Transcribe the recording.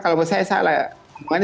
kalau saya salah